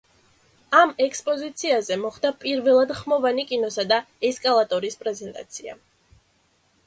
ამ ექსპოზიციაზე მოხდა პირველად ხმოვანი კინოსა და ესკალატორის პრეზენტაცია.